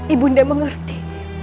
ibu undang mengerti